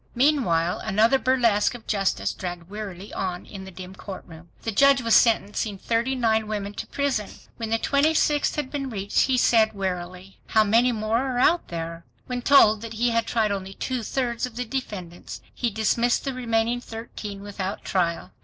Meanwhile another burlesque of justice dragged wearily on in the dim courtroom. The judge was sentencing thirty nine women to prison. When the twenty sixth had been reached, he said wearily, "How many more are out there?" When told that he had tried only two thirds of the defendants, he dismissed the remaining thirteen without trial!